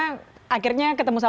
karena akhirnya ketemu sama